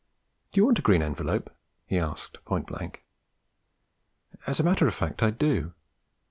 'Do you want a green envelope?' he asked point blank. 'As a matter of fact, I do.'